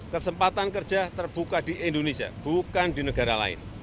kesempatan kerja terbuka di indonesia bukan di negara lain